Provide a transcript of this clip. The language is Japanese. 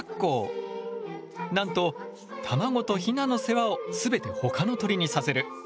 なんと卵とヒナの世話を全てほかの鳥にさせる！